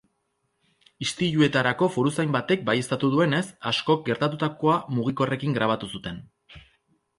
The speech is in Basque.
Istiluetarako foruzain batek baieztatu duenez, askok gertatutakoa mugikorrekin grabatu zuten.